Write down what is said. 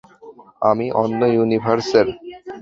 আমি অন্য ইউনিভার্সের।